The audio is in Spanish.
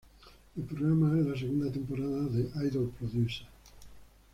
El programa es la segunda temporada de Idol Producer.